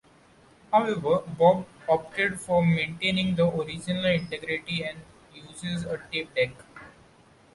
However, Bob opted for maintaining the original integrity, and uses a tape deck.